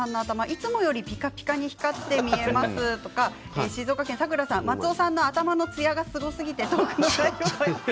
いつもよりピカピカに光って見えますとか静岡県の方、松尾さんの頭のつやがすごすぎてトークの内容が。